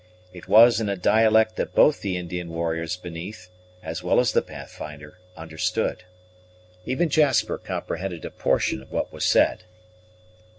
It was in a dialect that both the Indian warriors beneath, as well as the Pathfinder, understood. Even Jasper comprehended a portion of what was said.